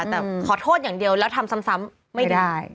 แต่ขอโทษอย่างเดียวแล้วทำซ้ำไม่ได้